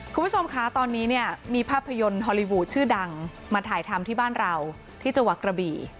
คุณผู้ชมคะตอนนี้เนี่ยมีภาพยนตร์ฮอลลีวูดชื่อดังมาถ่ายทำที่บ้านเราที่จังหวัดกระบี่